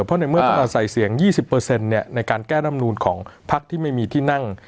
เพราะในเมื่อเขาจะใส่เสียง๒๐เนี่ยในการแก้ดำนุนของภักดิ์ที่ไม่มีที่นั่ง